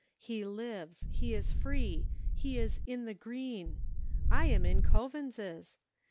He lives, he is free, he is "in the green!" I am in Coavins's!